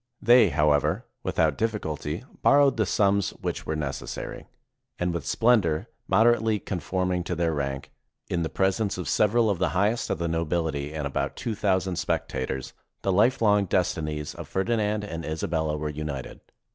They, however, without difficulty, borrowed the sums which were necessary; and with splendor moderately conform ing to their rank, in the presence of several of the highest of the nobility and about two thousand spectators, the life long destinies of Ferdinand and Isabella were united.